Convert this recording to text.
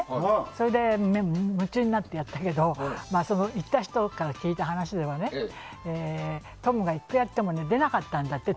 それで夢中になってやったけど行った人から聞いた話ではトムがいくらやっても出なかったんだって。